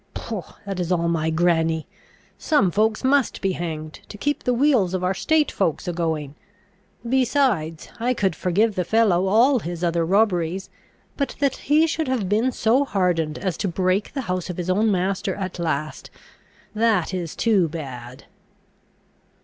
"Poh, that is all my granny! Some folks must be hanged, to keep the wheels of our state folks a going. Besides, I could forgive the fellow all his other robberies, but that he should have been so hardened as to break the house of his own master at last, that is too bad."